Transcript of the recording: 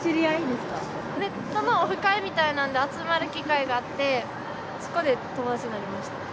ネットのオフ会みたいなんで集まる機会があってそこで友達になりました。